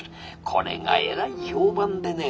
これがえらい評判でね。